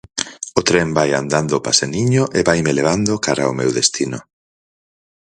O tren vai andando paseniño e vaime levando cara ao meu destino.